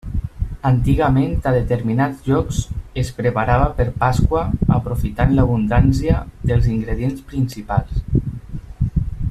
Antigament a determinats llocs es preparava per Pasqua, aprofitant l'abundància dels ingredients principals.